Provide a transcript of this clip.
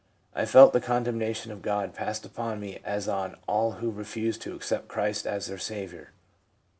I felt the condemnation of God passed upon me as on all who refuse to accept Christ as their Saviour.